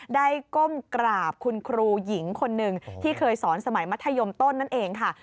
ก้มกราบคุณครูหญิงคนหนึ่งที่เคยสอนสมัยมัธยมต้นนั่นเองค่ะ